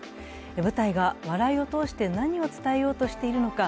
舞台が笑いを通して何を伝えようとしているのか。